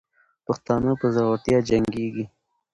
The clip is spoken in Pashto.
پښتانه په زړورتیا جنګېږي.